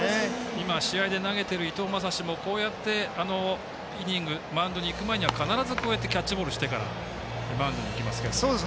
今、試合で投げている伊藤将司も、こうやってイニング、マウンドに行く前は必ず、キャッチボールをしてからイニングにいきますけど。